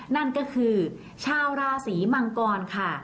นั่นก็คือชาวราศีมังกรค่ะ